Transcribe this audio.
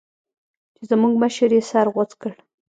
چې زموږ مشر يې سر غوڅ کړ.